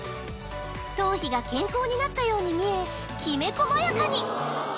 頭皮が健康になったように見えきめ細やかに！